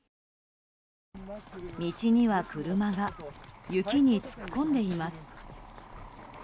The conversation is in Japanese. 道には車が雪に突っ込んでいます。